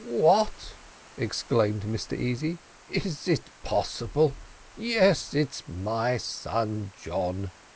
"What!" exclaimed Mr Easy, "is it possible? yes, it is my son John!